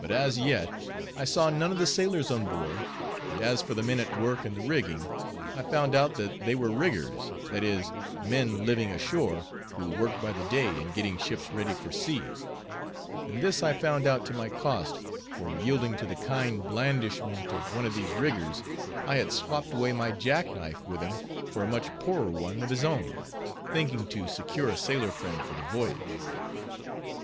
But as yet, I saw none of the sailors on board, and as for the men at work in the rigging, I found out that they were "riggers," that is, men living ashore, who worked by the day in getting ships ready for sea; and this I found out to my cost, for yielding to the kind blandishment of one of these riggers, I had swapped away my jackknife with him for a much poorer one of his own, thinking to secure a sailor friend for the voyage.